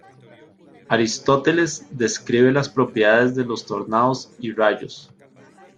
Aristóteles describe las propiedades de los tornados y rayos.